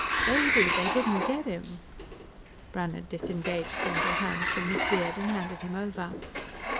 "Baby! They didn't get him!" Brannhard disengaged the little hands from his beard and handed him over.